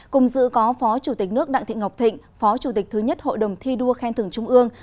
cùng dự có phó chủ tịch nước đặng thị ngọc thịnh phó chủ tịch thứ nhất hội đồng thi đua khen thưởng trung ương